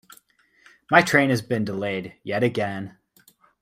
My train has been delayed yet again.